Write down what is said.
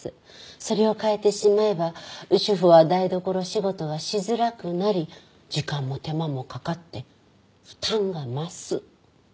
それを変えてしまえば主婦は台所仕事がしづらくなり時間も手間もかかって負担が増す。